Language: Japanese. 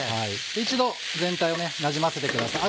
一度全体をなじませてください